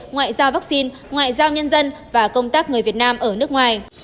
ngoại giao vaccine ngoại giao nhân dân và công tác người việt nam ở nước ngoài